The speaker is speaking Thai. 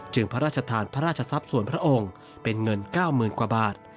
พระราชทานพระราชทรัพย์ส่วนพระองค์เป็นเงิน๙๐๐๐กว่าบาท